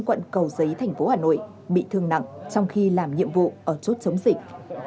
quận cầu giấy thành phố hà nội bị thương nặng trong khi làm nhiệm vụ ở chốt chống dịch